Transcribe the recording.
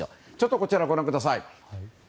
こちら、ご覧ください。